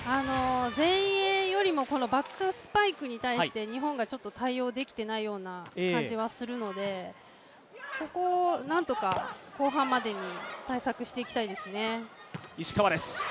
前衛よりもバックスパイクに対して日本がちょっと対応できていないような感じがするのでここをなんとか後半までに対策していきたいですね。